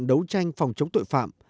đấu tranh phòng chống tội phạm